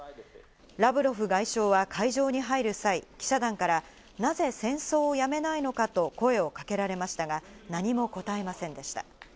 ラブロフ外相は会場に入る際、記者団からなぜ戦争を止めないのか？と声をかけられましたが、何も答えませんでした。